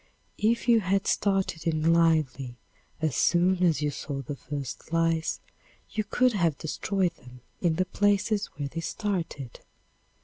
If you had started in lively as soon as you saw the first lice you could have destroyed them in the places where they started.